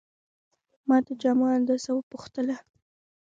ما د جامو اندازه وپوښتله.